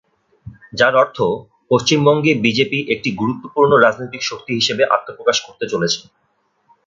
যার অর্থ, পশ্চিমবঙ্গে বিজেপি একটি গুরুত্বপূর্ণ রাজনৈতিক শক্তি হিসেবে আত্মপ্রকাশ করতে চলেছে।